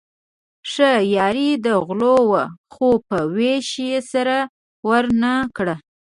ښه یاري د غلو وه خو په وېش يې سره ورانه کړه.